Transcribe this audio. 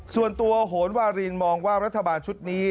ส่วนตัวโหนวาลินมองว่ารัฐบาลชุดนี้